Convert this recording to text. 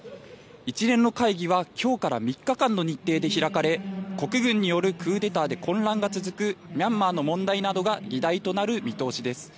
一連の会議は今日から３日間の日程で開かれ国軍によるクーデターで混乱が続くミャンマーの問題などが議題となる見通しです。